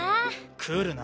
来るな。